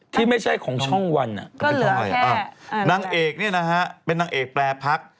ที่ไม่ใช่ของช่อง๑อะก็เหลือแค่นางเอกเนี่ยนะฮะเป็นนางเอกแปรพัก